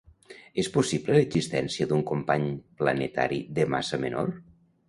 És possible l'existència d'un company planetari de massa menor.